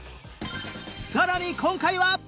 さらに今回は